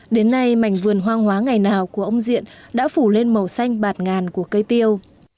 đến nay mảnh vườn hoang hóa ngày nào của ông diện đã phủ lên màu xanh bạt ngàn của cây tiêu